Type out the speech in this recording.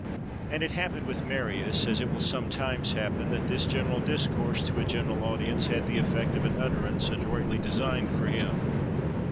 And it happened with Marius, as it will sometimes happen, that this general discourse to a general audience had the effect of an utterance adroitly designed for him.